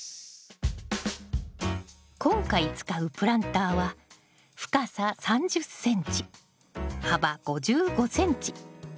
今回使うプランターは深さ３０ｃｍ幅５５ｃｍ。